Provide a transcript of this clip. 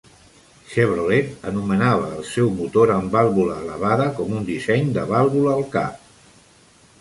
Chevrolet anomenava el seu motor amb vàlvula elevada com un disseny de "vàlvula-al-cap".